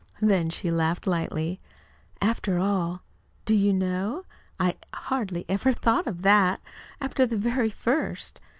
Then she laughed lightly. "After all, do you know? I hardly ever thought of that, after the very first.